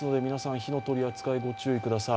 火の取り扱いご注意ください。